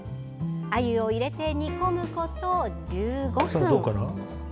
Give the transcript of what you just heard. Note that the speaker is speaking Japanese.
あゆを入れて煮込むこと１５分。